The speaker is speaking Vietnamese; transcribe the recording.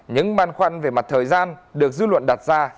những băn khoăn về mặt thời gian được dư luận đặt ra